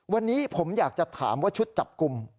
วันนี้ผมอยากจะถามว่าชุดจับกลุ่ม